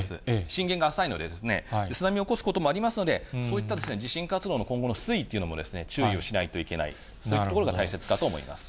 震源が浅いのでですね、津波を起こすこともありますので、そういった地震活動の今後の推移というのも注意をしないといけない、そういったところが大切かと思います。